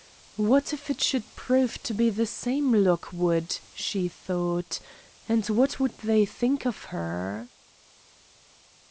What if it should prove to be the same Lockwood, she thought, and what would they think of her?